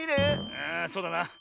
ああそうだな。